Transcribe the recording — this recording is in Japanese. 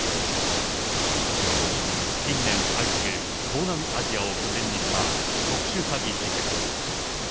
近年相次ぐ、東南アジアを拠点にした特殊詐欺事件。